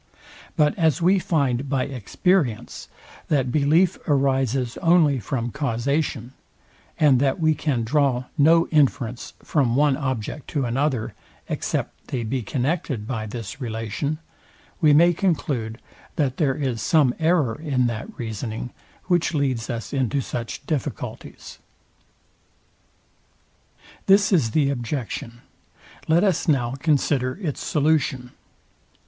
But as we find by experience, that belief arises only from causation, and that we can draw no inference from one object to another, except they be connected by this relation, we may conclude, that there is some error in that reasoning, which leads us into such difficulties. This is the objection; let us now consider its solution.